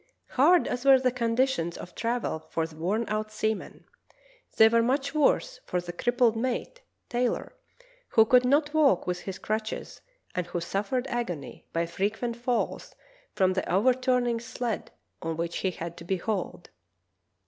Hard as were the conditions of travel for the worn out seamen, they were much worse for the crippled mate, Taylor, who could not walk with his crutches, and who suffered agony by frequent falls from the overturning sled on which he had to be hauled.